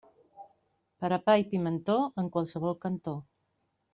Per a pa i pimentó, en qualsevol cantó.